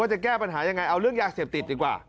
จะแก้ปัญหายังไงเอาเรื่องยาเสพติดดีกว่า